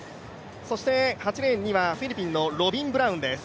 ８レーンにはフィリピンのロビン・ブラウンです。